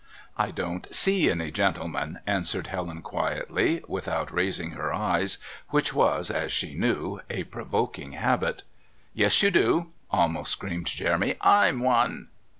"I don't see any gentlemen," answered Helen quietly, without raising her eyes, which was, as she knew, a provoking habit. "Yes, you do," almost screamed Jeremy. "I'm one."